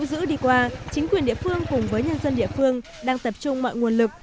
cần lũ dữ đi qua chính quyền địa phương cùng với nhân dân địa phương đang tập trung mọi nguồn lực